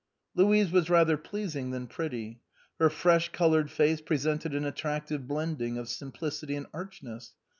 Louise was rather pleasing than pretty : her fresh colored face presented an attractive blending of simplicity and arch ness.